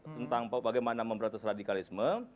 tentang bagaimana memberatasi radikalisme